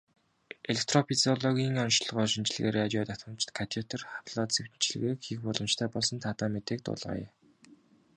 Электрофизиологийн оношилгоо, шинжилгээ, радио давтамжит катетр аблаци эмчилгээг хийх боломжтой болсон таатай мэдээг дуулгая.